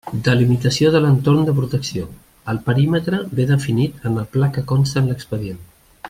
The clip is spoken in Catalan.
Delimitació de l'entorn de protecció: el perímetre ve definit en el pla que consta en l'expedient.